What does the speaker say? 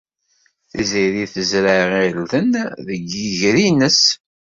Tiziri tezreɛ irden deg yiger-nnes.